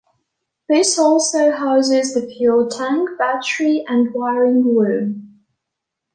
This also houses the fuel tank, battery and wiring loom.